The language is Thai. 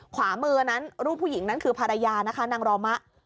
ขวามือนั้นรูปผู้หญิงนั้นคือภรรยานะคะนางรอมะ